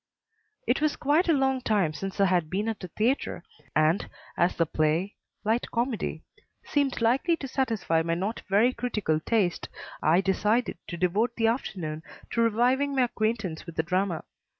It was quite a long time since I had been at a theatre, and, as the play light comedy seemed likely to satisfy my not very critical taste, I decided to devote the afternoon to reviving my acquaintance with the drama.